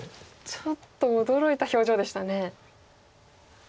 ちょっと驚いた表情でしたね。